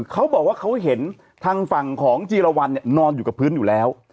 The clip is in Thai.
เขาบอกว่าเขาเห็นทางฝั่งของจีรวรรณนอนอยู่กับพื้นอยู่แล้ว